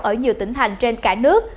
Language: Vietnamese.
ở nhiều tỉnh thành trên cả nước